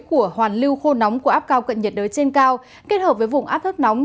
của hoàn lưu khô nóng của áp cao cận nhiệt đới trên cao kết hợp với vùng áp thấp nóng